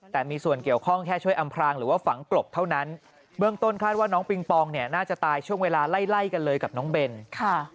ตอนนี้เดี๋ยวคงต้องไปไล่เช็ก